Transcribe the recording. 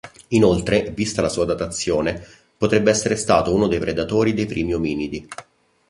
Inoltre, vista la sua datazione, potrebbe essere stato uno dei predatori dei primi ominidi.